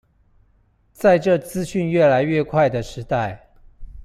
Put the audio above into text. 在這資訊越來越快的時代